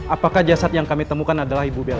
apakah jasad yang kami temukan adalah ibu bella